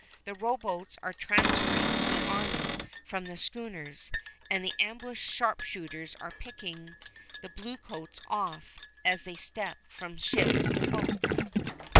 The rowboats are transferring the army from the schooners, and the ambushed sharpshooters are picking the bluecoats off as they step from ships to boats.